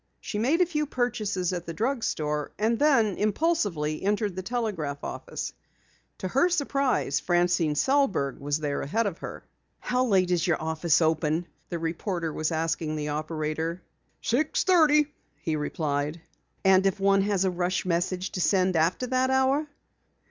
She made a few purchases at the drug store and then impulsively entered the telegraph office. To her surprise, Francine Sellberg was there ahead of her. "How late is your office open?" the reporter was asking the operator. "Six thirty," he replied. "And if one has a rush message to send after that hour?"